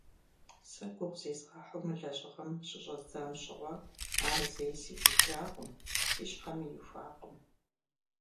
Сэ гугъу зезгъэхьу мы лэжьыгъэм щыщӏэздзэм щыгъуэ, ар зэи сигу икӏакъым, си щхьэми ихуакъым.